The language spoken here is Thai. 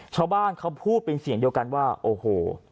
ชาวบ้านเขาพูดเป็นเสียงเดียวกันว่าโอ้โห